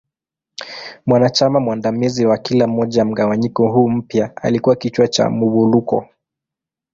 Mwanachama mwandamizi wa kila moja ya mgawanyiko huu mpya alikua kichwa cha Muwuluko.